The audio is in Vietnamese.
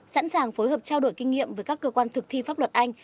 sẵn sàng phối hợp trao đổi kinh nghiệm với các cơ quan thực thi pháp luật anh